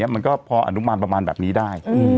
มันก็พออนุมานประมาณแบบนี้ได้